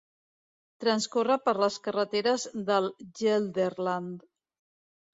Transcorre per les carreteres del Gelderland.